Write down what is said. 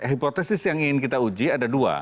hipotesis yang ingin kita uji ada dua